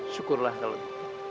syukurlah kalau gitu